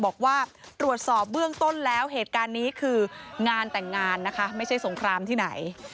บอกว่าตรวจสอบเบื้องต้นแล้วเหตุการณ์นี้คืองานแต่งงานนะคะไม่ใช่สงครามที่ไหน